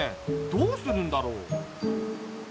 どうするんだろう？